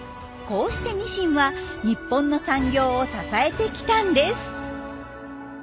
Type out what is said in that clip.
こうしてニシンは日本の産業を支えてきたんです。